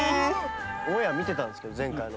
オンエア見てたんですけど前回の。